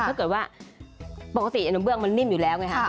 ถ้าเกิดว่าปกติไอ้หนูเบื้องมันนิ่มอยู่แล้วไงฮะ